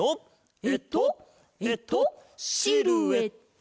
えっとえっとシルエット！